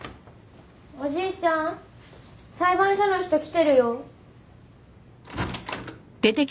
おじいちゃん裁判所の人来てるよ。